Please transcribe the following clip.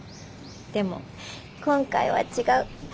でも今回は違う。